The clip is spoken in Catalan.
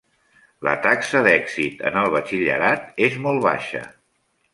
La taxa d'èxit en el batxillerat és molt baixa.